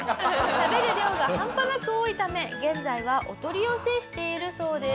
「食べる量がハンパなく多いため現在はお取り寄せしているそうです」